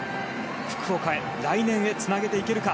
福岡へ、来年へつなげていけるか。